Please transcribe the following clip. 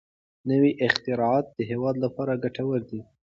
نوي اختراعات د هېواد لپاره ګټور دي.